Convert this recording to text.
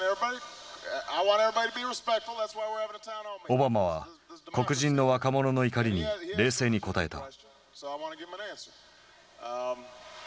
オバマは黒人の若者の怒りに冷静に答えた。